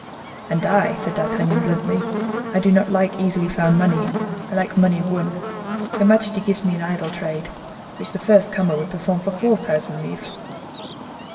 "And I," said D'Artagnan, bluntly; "I do not like easily found money; I like money won! Your majesty gives me an idle trade, which the first comer would perform for four thousand livres."